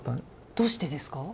どうしてですか？